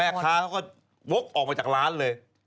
แม่ค้าก็โว๊คออกมาจากร้านเลย